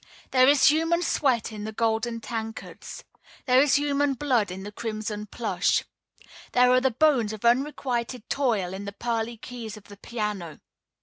There is human sweat in the golden tankards. There is human blood in the crimson plush. There are the bones of unrequited toil in the pearly keys of the piano.